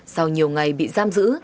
sau nhiều ngày bị giam giữ